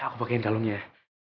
aku pakein talunnya